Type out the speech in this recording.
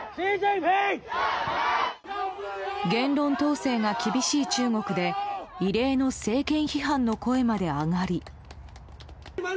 言論統制が厳しい中国で異例の政権批判の声まで上がり。